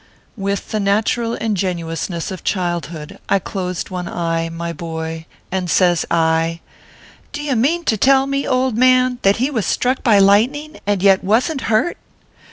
With the natural ingenuousness of childhood I closed one eye, my boy, and says I :" Do you mean to tell me, old man, that he was struck by lightning, and yet wasn t hurt